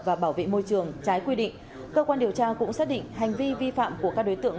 và bảo vệ môi trường trái quy định cơ quan điều tra cũng xác định hành vi vi phạm của các đối tượng